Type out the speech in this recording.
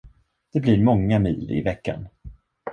Det blir många mil i veckan.